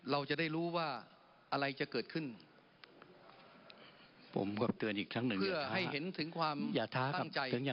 เราจะได้รู้ว่าอะไรจะเกิดขึ้นเพื่อให้เห็นถึงความตั้งใจ